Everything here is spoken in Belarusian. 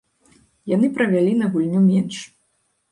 Яны правялі на гульню менш.